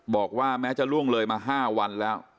บอกว่าแม้จะล่วงเลยมา๕วันแล้ว